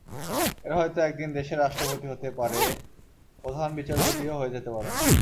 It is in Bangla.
এরা হয়তো একদিন দেশের রাষ্ট্রপতি হতে পারেন, প্রধান বিচারপতিও হয়ে যেতে পারেন।